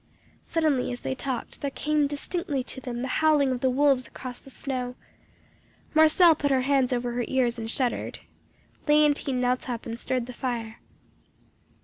"Suddenly, as they talked, there came distinctly to them the howling of the wolves across the snow. Marcelle put her hands over her ears and shuddered. Léontine knelt up and stirred the fire.